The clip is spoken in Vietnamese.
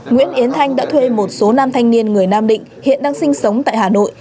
nguyễn yến thanh đã thuê một số nam thanh niên người nam định hiện đang sinh sống tại hà nội